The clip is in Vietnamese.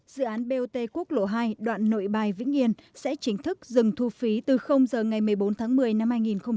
dự án bot quốc lộ hai đoạn nội bài vĩnh yên sẽ chính thức dừng thu phí từ giờ ngày một mươi bốn tháng một mươi năm hai nghìn hai mươi